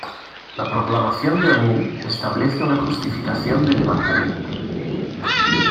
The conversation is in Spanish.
La Proclamación de O'Neill establece una justificación del levantamiento.